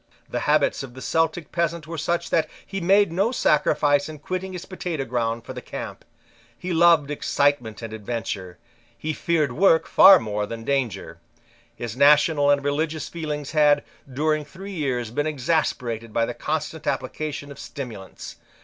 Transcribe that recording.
The habits of the Celtic peasant were such that he made no sacrifice in quitting his potatoe ground for the camp. He loved excitement and adventure. He feared work far more than danger. His national and religious feelings had, during three years, been exasperated by the constant application of stimulants.